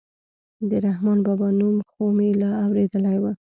د رحمان بابا نوم خو مې لا اورېدلى و.